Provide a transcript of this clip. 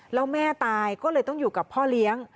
แล้วแม่ตายก็เลยต้องอยู่กับพ่อเลี้ยง